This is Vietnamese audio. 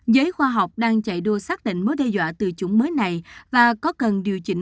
giới khoa học đang chạy đua xác định mối đe dọa từ chủng mới này và có cần điều chỉnh